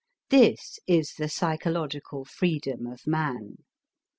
This is the psychological freedom of man.